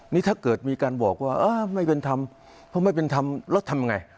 นี่ถ้าเกิดมีการบอกว่าไม่เป็นธรรมเพราะไม่เป็นธรรมแล้วทำไง